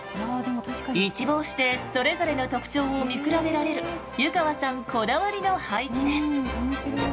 一望してそれぞれの特徴を見比べられる湯川さんこだわりの配置です。